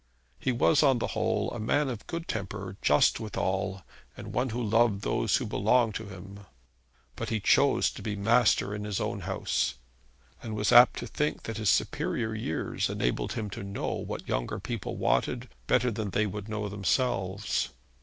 He was on the whole a man of good temper, just withal, and one who loved those who belonged to him; but he chose to be master in his own house, and was apt to think that his superior years enabled him to know what younger people wanted better than they would know themselves.